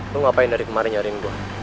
lu ngapain dari kemarin nyariin gua